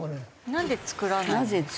なんで作らないんですかね。